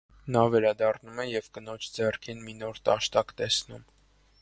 Նա վերադառնում է և կնոջ ձեռքին մի նոր տաշտակ տեսնում։